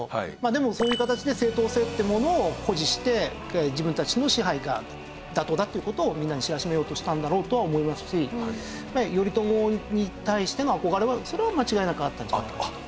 でもそういう形で正当性ってものを誇示して自分たちの支配が妥当だっていう事をみんなに知らしめようとしたんだろうとは思いますし頼朝に対しての憧れはそれは間違いなくあったんじゃないかなと。